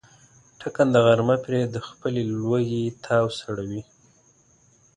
ټکنده غرمه پرې د خپلې لوږې تاو سړوي.